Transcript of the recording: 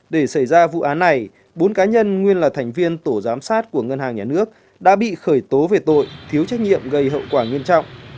để xảy ra vụ án này bốn cá nhân nguyên là thành viên tổ giám sát của ngân hàng nhà nước đã bị khởi tố về tội thiếu trách nhiệm gây hậu quả nghiêm trọng